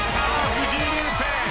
藤井流星！